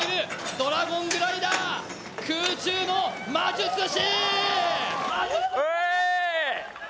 ドラゴングライダー、空中の魔術師。